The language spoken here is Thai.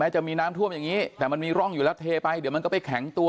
แม้จะมีน้ำท่วมแบบนี้แต่มันมีร่องแล้วเทไปเดี๋ยวมันจะไปแข็งตัว